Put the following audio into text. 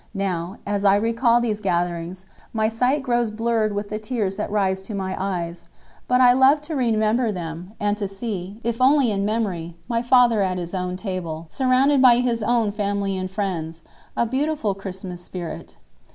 Now, as I recall these gatherings, my sight grows blurred with the tears that rise to my eyes. But I love to remember them, and to see, if only in memory, my father at his own table, surrounded by his own family and friends—a beautiful Christmas spirit.